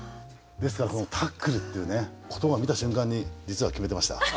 ですからこの「タックル」っていう言葉を見た瞬間に実は決めてました。